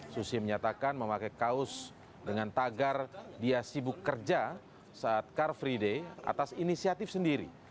susi menyatakan memakai kaos dengan tagar dia sibuk kerja saat car free day atas inisiatif sendiri